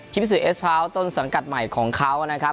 มิสือเอสพ้าวต้นสังกัดใหม่ของเขานะครับ